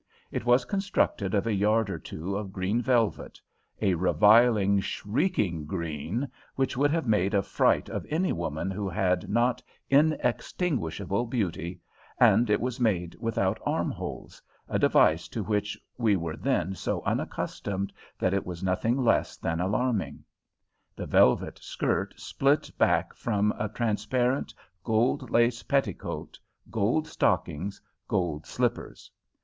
It was constructed of a yard or two of green velvet a reviling, shrieking green which would have made a fright of any woman who had not inextinguishable beauty and it was made without armholes, a device to which we were then so unaccustomed that it was nothing less than alarming. The velvet skirt split back from a transparent gold lace petticoat, gold stockings, gold slippers.